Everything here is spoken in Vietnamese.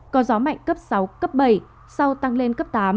có gió mạnh cấp sáu cấp bảy sau tăng lên cấp tám